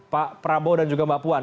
pak prabowo dan juga mbak puan